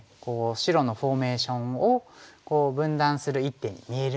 白のフォーメーションを分断する一手に見えるのですが。